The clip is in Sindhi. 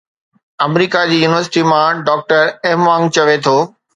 آمريڪا جي يونيورسٽي مان ڊاڪٽر Mwang چوي ٿو